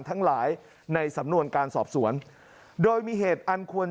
ทั้งหลายในสำนวนการสอบสวนโดยมีเหตุอันควร